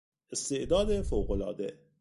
استعداد فوقالعاده